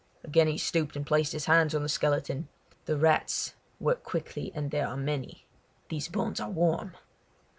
again he stooped and placed his hands on the skeleton. "The rats work quickly and they are many. These bones are warm!"